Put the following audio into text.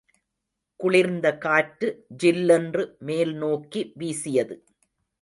குளிர்ந்த காற்று ஜில்லென்று மேல் நோக்கி வீசியது.